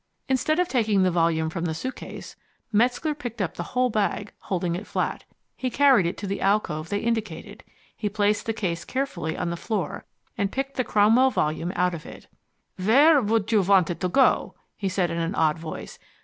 Instead of taking the volume from the suitcase, Metzger picked up the whole bag, holding it flat. He carried it to the alcove they indicated. He placed the case carefully on the floor, and picked the Cromwell volume out of it. "Where would you want it to go?" he said in an odd voice.